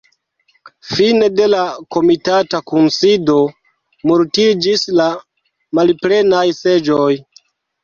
Fine de la komitata kunsido multiĝis la malplenaj seĝoj.